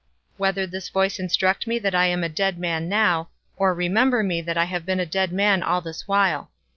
Whether this voice instruct me that I am a dead man now, or remember me that I have been a dead man all this while.